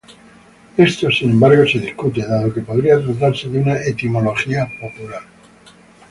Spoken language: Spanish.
Esto, sin embargo, se discute, dado que podría tratarse de una etimología popular.